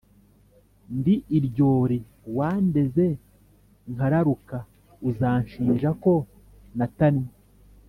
ndi iryori wandenze nkararuka uzanshinja ko natannye